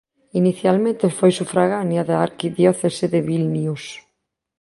Inicialmente foi sufragánea da arquidiocese de Vilnius.